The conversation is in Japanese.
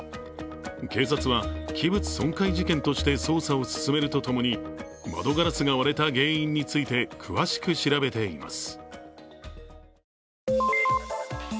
警察は、器物損壊事件として捜査を進めるとともに窓ガラスが割れた原因について詳しく調べています。